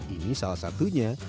ini salah satunya